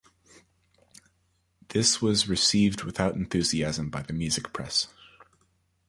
This was received without enthusiasm by the music press.